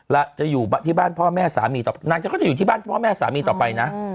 แล้วจะอยู่ที่บ้านพ่อแม่สามีต่อนางก็จะอยู่ที่บ้านพ่อแม่สามีต่อไปนะ